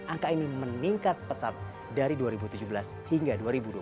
angka ini meningkat pesat dari dua ribu tujuh belas hingga dua ribu dua puluh